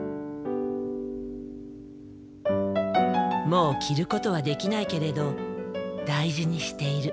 もう着ることはできないけれど大事にしている。